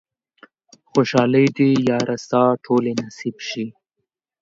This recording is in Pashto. خوشحالۍ دې ياره ستا ټولې نصيب شي